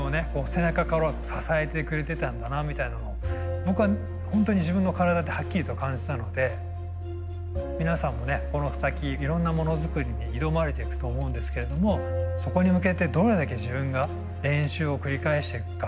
背中から支えてくれてたんだなみたいなのを僕はホントに自分の体ではっきりと感じたので皆さんもねこの先いろんなものづくりに挑まれていくと思うんですけどもそこに向けてどれだけ自分が練習を繰り返していくか。